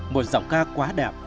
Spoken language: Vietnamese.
một giọng ca quá đẹp